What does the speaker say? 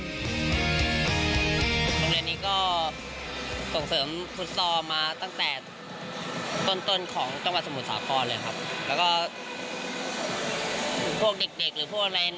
โรงเรียนนี้ก็ส่งเสริมพุทธศาลมาตั้งแต่